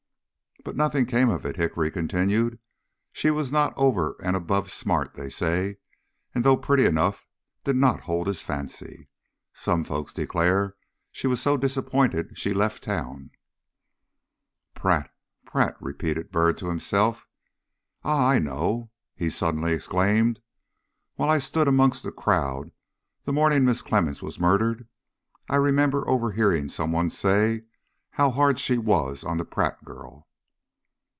"But nothing came of it," Hickory continued. "She was not over and above smart they say, and though pretty enough, did not hold his fancy. Some folks declare she was so disappointed she left town." "Pratt, Pratt!" repeated Byrd to himself. "Ah! I know now," he suddenly exclaimed. "While I stood around amongst the crowd, the morning Mrs. Clemmens was murdered, I remember overhearing some one say how hard she was on the Pratt girl."